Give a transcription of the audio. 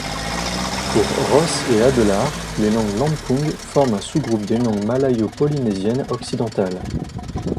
Pour Ross et Adelaar, les langues lampung forment un sous-groupe des langues malayo-polynésiennes occidentales.